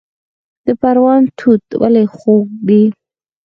د پروان توت ولې خوږ دي؟